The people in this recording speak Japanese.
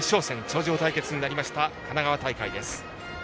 頂上対決になりました神奈川大会です。